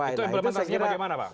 itu implementasinya bagaimana pak